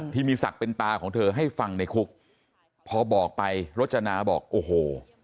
ที่มีศักดิ์เป็นตาของเธอให้ฟังในคุกพอบอกไปรจนาบอกโอ้โห